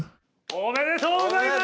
ありがとうございます！